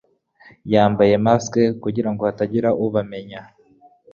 Yambaye mask kugirango hatagira ubamenya.